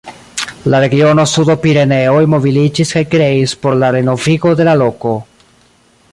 La Regiono Sudo-Pireneoj mobiliĝis kaj kreis por la renovigo de la loko.